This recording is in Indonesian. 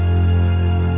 tidak mengapa pak